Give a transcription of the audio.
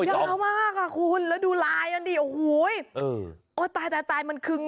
สวยมาก